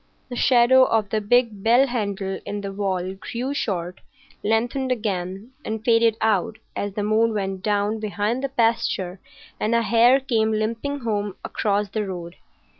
The shadow of the big bell handle in the wall grew short, lengthened again, and faded out as the moon went down behind the pasture and a hare came limping home across the road.